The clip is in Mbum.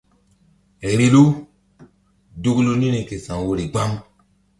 Vbilu duklu niri ke sa̧w woyri gbam.